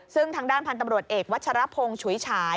ซึ่งทางด้านพันธุ์ตำรวจเอกวัชรพงศ์ฉุยฉาย